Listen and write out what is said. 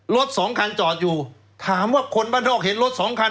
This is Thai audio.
รถสองคันจอดอยู่ถามว่าคนบ้านนอกเห็นรถสองคัน